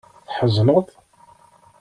Tḥezneḍ?